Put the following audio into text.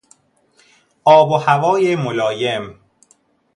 آب و هوای ملایم